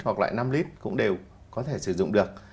hoặc loại năm lit cũng đều có thể sử dụng được